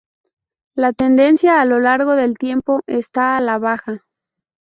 La tendencia a lo largo del tiempo está a la baja.